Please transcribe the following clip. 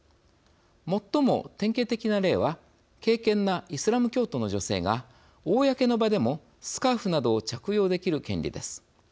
最も典型的な例は敬けんなイスラム教徒の女性が公の場でも、スカーフなどを着用できる権利です。